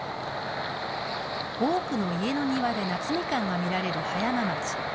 多くの家の庭で夏みかんが見られる葉山町。